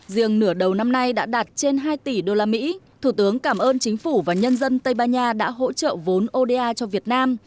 riêng nửa đầu năm nay đã đạt trên hai tỷ usd thủ tướng cảm ơn chính phủ và nhân dân tây ban nha đã hỗ trợ vốn oda cho việt nam